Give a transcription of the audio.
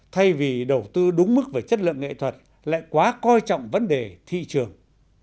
thay vì đầu tư đúng mức về chất lượng nghệ thuật lại quá coi trọng vấn đề thị trường